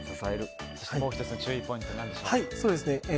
もう１つの注意ポイント何でしょうか。